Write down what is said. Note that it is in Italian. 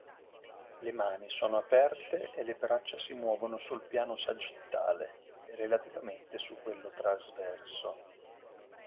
Le mani sono aperte e le braccia si muovono sul piano sagittale (e relativamente su quello trasverso).